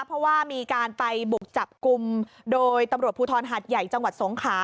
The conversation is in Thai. เพราะว่ามีการไปบุกจับกลุ่มโดยตำรวจภูทรหัดใหญ่จังหวัดสงขา